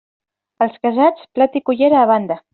Els casats, plat i cullera a banda.